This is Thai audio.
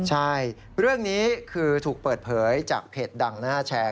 ใช่เรื่องนี้คือถูกเปิดเผยจากเพจดังนะฮะแชร์